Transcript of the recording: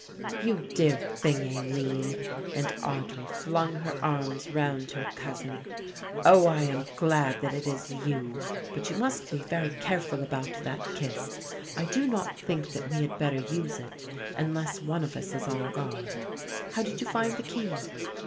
"You dear thing, Aline," and Audry flung her arms round her cousin. "Oh, I am glad that it is you, but you must be very careful about that kist; I do not think that we had better use it unless one of us is on guard. How did you find the key?"